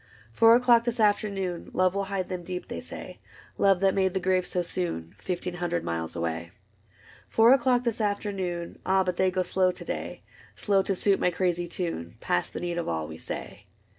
Four o^clock this afternoon Love will hide them deep, they say ; Love that made the grave so soon. Fifteen hundred miles away. Four o'clock this afternoon — Ah, but they go slow to day : CORTEGE 165 Slow to suit my crazy tune. Past the need of all we say.